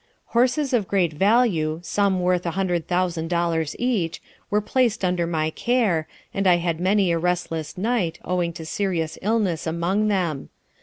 "Horses of great value, some worth $100,000 each, were placed under my care, and I had many a restless night, owing to serious illness among them.